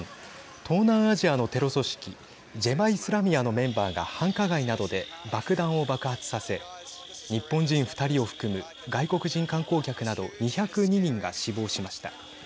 東南アジアのテロ組織ジェマ・イスラミアのメンバーが繁華街などで爆弾を爆発させ日本人２人を含む外国人観光客など２０２人が死亡しました。